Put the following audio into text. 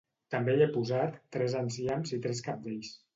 També hi he posat tres enciams i tres cabdells